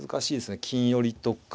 金寄りとか。